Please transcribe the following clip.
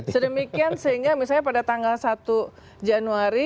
sedemikian sehingga misalnya pada tanggal satu januari